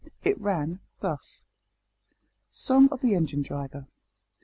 It ran thus SONG OF THE ENGINE DRIVER.